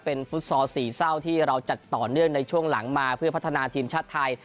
เป็นฟุตซอลสี่เศร้าที่เราจัดต่อเนื่องในช่วงหลังมาเพื่อพัฒนาทีมชาติไทย